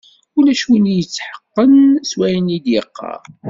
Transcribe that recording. Ulac win i d-yetḥeqqen seg wayen i d-yeqqar.